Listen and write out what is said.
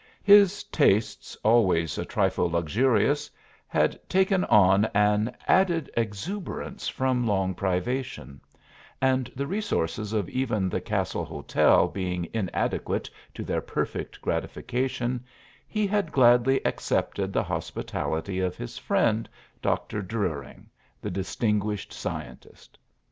His tastes, always a trifle luxurious, had taken on an added exuberance from long privation; and the resources of even the Castle Hotel being inadequate to their perfect gratification, he had gladly accepted the hospitality of his friend, Dr. Druring, the distinguished scientist.